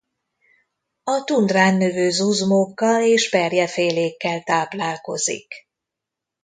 A tundrán növő zuzmókkal és perjefélékkel táplálkozik.